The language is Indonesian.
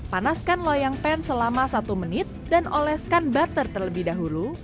panaskan loyang pan selama satu menit dan oleskan butter terlebih dahulu